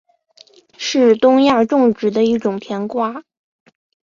是东亚种植的一种甜瓜。